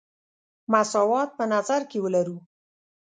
مساوات په نظر کې ولرو.